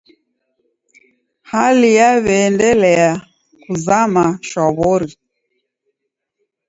Hali yaw'iaendelia kuzama shwaw'ori.